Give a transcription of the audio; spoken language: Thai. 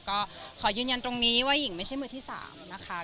ก็ขอยืนยันตรงนี้ว่าหญิงไม่ใช่มือที่๓นะคะ